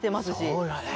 そうだね。